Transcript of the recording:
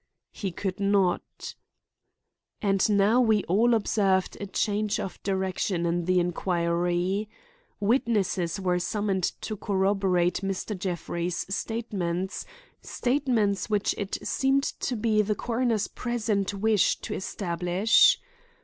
He could not. And now we all observed a change of direction in the inquiry. Witnesses were summoned to corroborate Mr. Jeffrey's statements, statements which it seemed to be the coroner's present wish to establish.